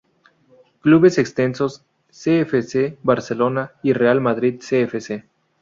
Clubes exentos: C. F. Barcelona y Real Madrid C. F..